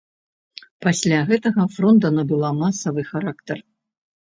Пасля гэтага фронда набыла масавы характар.